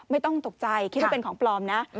ไม่ต้องตกใจคิดว่าเป็นของปลอมนะ